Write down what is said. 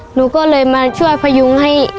หนูก็เลยมาช่วยพยุงให้